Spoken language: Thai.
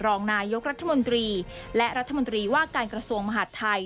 รองนายกรัฐมนตรีและรัฐมนตรีว่าการกระทรวงมหาดไทย